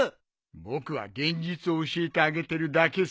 僕は現実を教えてあげてるだけさ。